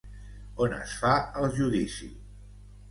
On es fa el judici?